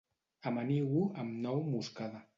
Amaniu-ho amb nou moscada